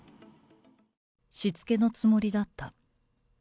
しつけのつもりだった。